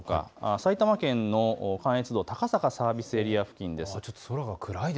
埼玉県の関越道高坂サービスエリア付近です。